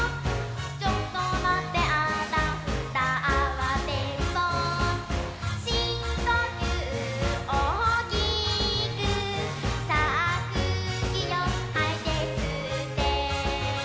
「ちょっとまってあたふたあわてんぼう」「しんこきゅうおおきくさあくうきをはいてすって」